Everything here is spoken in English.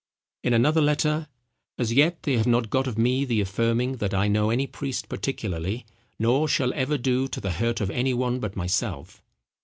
In another letter—"As yet they have not got of me the affirming that I know any priest particularly, nor shall ever do to the hurt of any one but myself."